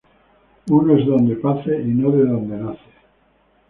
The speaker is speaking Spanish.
Uno es de donde pace y no de donde nace